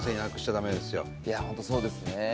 いやあ本当そうですね。